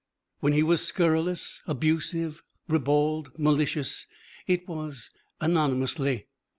When he was scurrilous, abusive, ribald, malicious, it was anonymously.